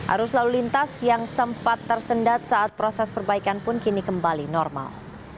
arus lalu lintas yang sempat tersendat saat proses perbaikan pun kini kembali normal